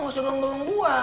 nggak usah ngebelom belom gue